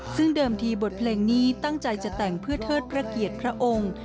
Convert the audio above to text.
ซึ่งเดิมทีบทเพลงนี้ตั้งใจจะแต่งเพื่อเทิดพระเกียรติพระองค์